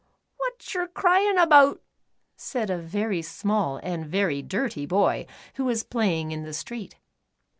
"Wot yer cryin' 'bout ?" said a very small and very dirty boy, who was playing in the street.